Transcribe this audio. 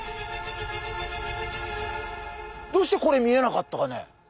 どうしてこれ見えなかったかね？